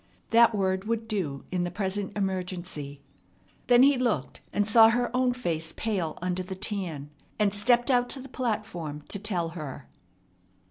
That word would do in the present emergency. Then he looked, and saw her own face pale under the tan, and stepped out to the platform to tell her.